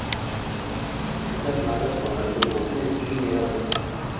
Está armada con Láser doble y mira múltiple.